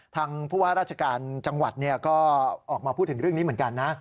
ทางผู้ว่าราชการจังหวัดก็ออกมาพูดถึงเรื่องนี้เหมือนกันนะ